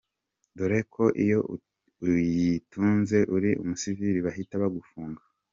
Dore ko iyo uyitunze uri umusiviri bahita bagufunga, .